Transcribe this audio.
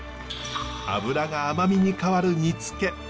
脂が甘みに変わる煮つけ。